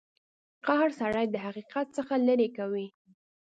قهر سړی د حقیقت څخه لرې کوي.